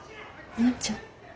万ちゃん。